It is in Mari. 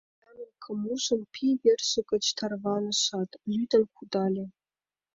Вес янлыкым ужын, пий верже гыч тарванышат, лӱдын кудале.